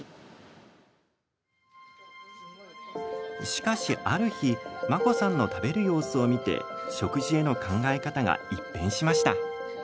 しかし、ある日真心さんの食べる様子を見て食事への考え方が一変しました。